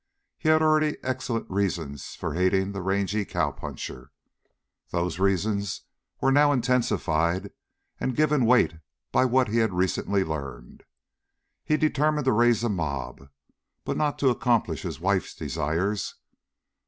He had already excellent reasons for hating the rangy cowpuncher. Those reasons were now intensified and given weight by what he had recently learned. He determined to raise a mob, but not to accomplish his wife's desires.